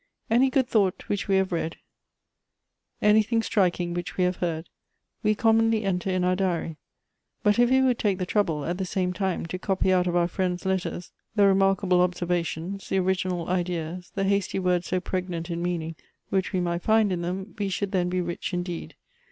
"Any good thought which we have read, anything striking which we have heard, we commonly enter in our diary ; but if we would take the trouble, at the same time, to copy out of our friends' letters the remarkable observations, the original ideas, the hasty word so preg nant in meaning, which we might find in them, we should then be rich indeed.